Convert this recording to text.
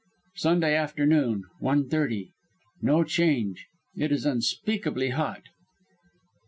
"Sunday afternoon, one thirty. No change. It is unspeakably hot.